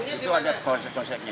itu ada konsep konsepnya